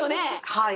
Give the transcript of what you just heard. はい。